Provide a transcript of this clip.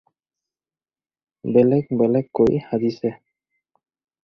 বেলেগ বেলেগ কৈ সাজিছে